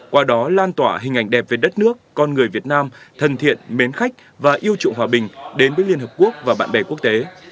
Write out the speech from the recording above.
qua đó lan tỏa hình ảnh đẹp về đất nước con người việt nam thân thiện mến khách và yêu trụng hòa bình đến với liên hợp quốc và bạn bè quốc tế